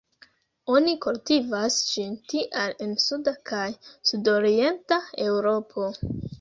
Oni kultivas ĝin tial en suda kaj sudorienta Eŭropo.